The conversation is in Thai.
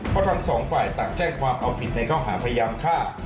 เพราะทั้งสองฝ่ายต่างแจ้งความเอาผิดในข้อหาพยายามฆ่า